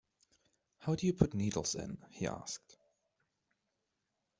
“How do you put needles in?” he asked.